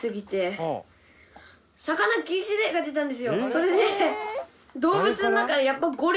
それで。